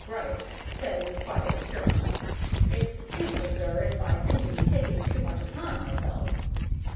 Gryce, said with quiet assurance, "Excuse me, sir, if I seem to be taking too much upon myself."